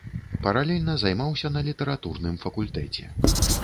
Паралельна займаўся на літаратурным факультэце.